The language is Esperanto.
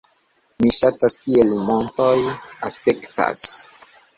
Mi ŝatas kiel montoj aspektas